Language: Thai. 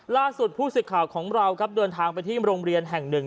ล่าสุดผู้สื่อข่าวของเราครับเดินทางไปที่โรงเรียนแห่งหนึ่ง